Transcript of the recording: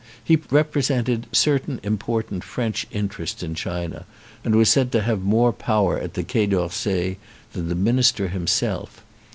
He represented certain important French interests in China and was said to have more power at the Quai d'Orsay than the minister himself.